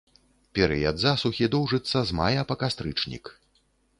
Перыяд засухі доўжыцца з мая па кастрычнік.